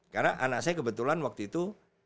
karena anak saya kebetulan waktu itu